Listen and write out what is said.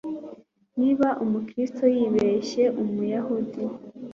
niba umukristo yibeshye umuyahudi